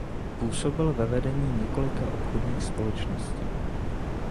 Působil ve vedení několika obchodních společností.